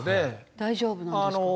大丈夫なんですか？